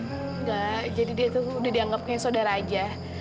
nggak jadi dia tuh udah dianggap kayak saudara aja